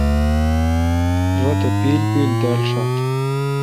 رت اے° پیل پیل دال۔ شات۔